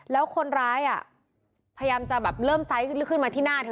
แล้วคนร้ายพยายามจะแบบเริ่มไซส์ขึ้นมาที่หน้าเธอ